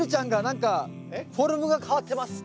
フォルムが変わってます。